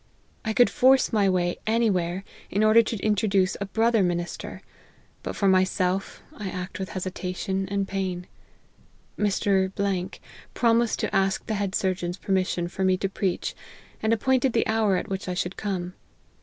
I could force my way any where, in order to introduce a brother minister: but for myself, I act with hesitation and pain. Mr. promised to ask the head surgeon's permission for me to preach, and appointed the hour at which I should come.